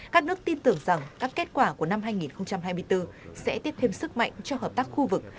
các nước tin tưởng rằng các kết quả của năm hai nghìn hai mươi bốn sẽ tiếp thêm sức mạnh cho hợp tác khu vực